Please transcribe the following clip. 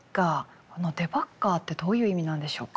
このデバッガーってどういう意味なんでしょうか？